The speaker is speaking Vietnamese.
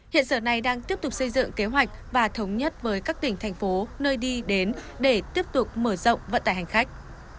hiện sở này đang tiếp tục xây dựng kế hoạch và thống nhất với các tỉnh thành phố nơi đi đến để tiếp tục mở rộng vận tải hành khách